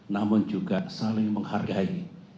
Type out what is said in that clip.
namun juga saling menghargai